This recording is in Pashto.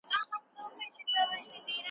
تاسو په پښتو کي کومه اصطلاح ډېره کاروئ؟